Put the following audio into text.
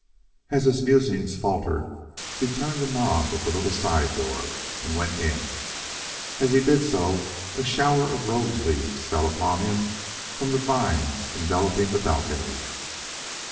As his musings faltered, he turned the knob of the little side door and went in. As he did so a shower of rose leaves fell upon him from the vines enveloping the balcony.